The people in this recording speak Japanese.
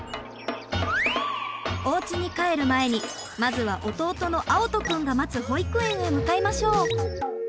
おうちに帰る前にまずは弟の葵士くんが待つ保育園へ向かいましょう！